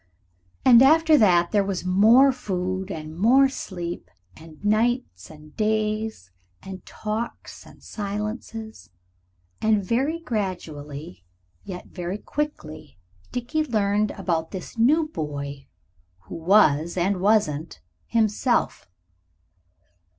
And after that there was more food, and more sleep, and nights, and days, and talks, and silences, and very gradually, yet very quickly, Dickie learned about this new boy who was, and wasn't, himself.